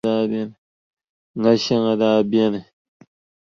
Ŋa shɛŋa daa beni,